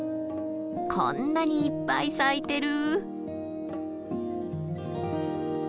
こんなにいっぱい咲いてる！